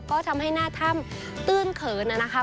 ก็ทำให้หน้าถ้ำตื้นเขินนะคะ